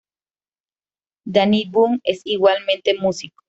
Dany Boon es igualmente músico.